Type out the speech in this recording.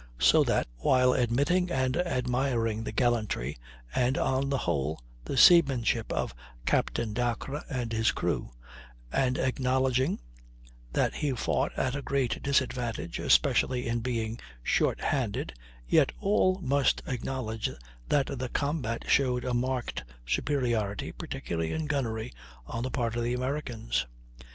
So that, while admitting and admiring the gallantry, and, on the whole, the seamanship of Captain Dacres and his crew, and acknowledging that he fought at a great disadvantage, especially in being short handed, yet all must acknowledge that the combat showed a marked superiority, particularly in gunnery, on the part of the Americans.